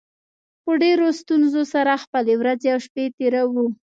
په ډېرو ستونزو سره خپلې ورځې او شپې تېروو